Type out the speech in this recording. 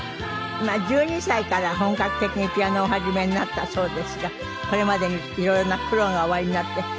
１２歳から本格的にピアノをお始めになったそうですがこれまでに色々な苦労がおありになって。